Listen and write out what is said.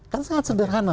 kan sangat sederhana